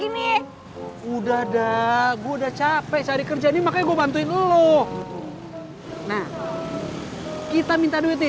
ini udah dah gue udah capek cari kerja nih makanya gue bantuin lo nah kita minta duitnya